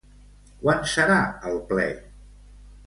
Quan serà el ple?